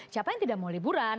siapa yang tidak mau liburan